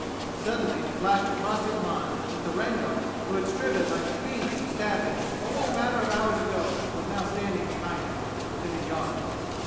Suddenly it flashed across his mind that the Rangar who had striven like a fiend to stab him only a matter of hours ago was now standing behind him, within a yard.